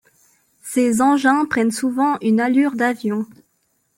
Ces engins prennent souvent une allure d'avion.